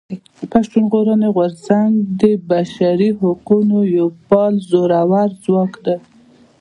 پښتون ژغورني غورځنګ د بشري حقونو يو فعال زورور ځواک دی.